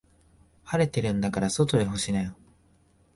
晴れてるんだから外で干しなよ。